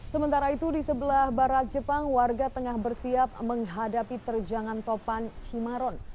sementara itu di sebelah barat jepang warga tengah bersiap menghadapi terjangan topan himaron